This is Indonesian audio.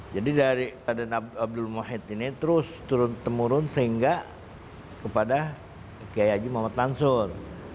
jadi dari raden abdul muhid ini terus turun temurun sehingga kepada gaya jumat mansur